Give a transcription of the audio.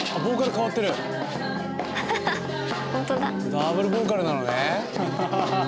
ダブルボーカルなのね。